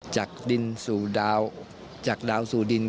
จากดินสู่ดาวจากดาวสู่ดิน